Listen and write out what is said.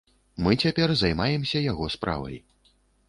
Мы цяпер займаемся яго справай.